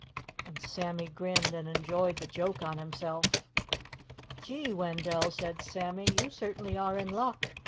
and Sammy grinned and enjoyed the joke on himself. "Gee, Wendell!" said Sammy. "You certainly are in luck.